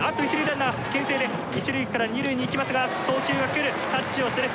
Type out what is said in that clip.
ランナーけん制で一塁から二塁に行きますが送球が来る。